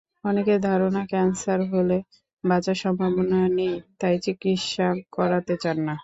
অনেকের ধারণা ক্যানসার হলে বাঁচার সম্ভাবনা নেই, তাই চিকিৎসা করাতে চান না।